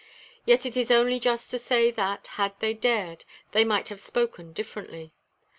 Yet it is only just to say that, had they dared, they might have spoken differently.